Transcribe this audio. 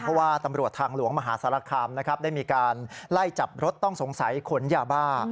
เพราะว่าตำรวจทางหลวงมหาสารคามนะครับได้มีการไล่จับรถต้องสงสัยขนยาบ้า